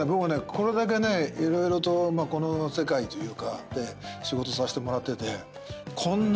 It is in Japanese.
これだけね色々とこの世界で仕事させてもらってて。